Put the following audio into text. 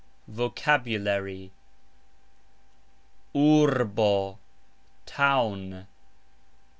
VOCABULARY. urbo : town.